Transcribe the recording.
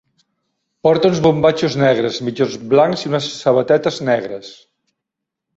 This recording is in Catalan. Porta uns bombatxos negres, mitjons blancs i unes sabatetes negres.